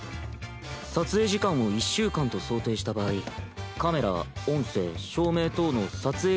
撮影時間を１週間と想定した場合カメラ音声照明等の撮影機材